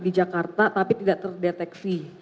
di jakarta tapi tidak terdeteksi